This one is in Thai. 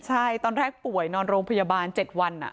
ใช่ตอนแรกป่วยนอนโรงพยาบาล๗วัน